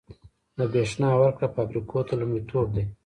د بریښنا ورکړه فابریکو ته لومړیتوب دی